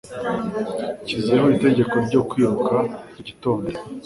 Nshizeho itegeko ryo kwiruka buri gitondo.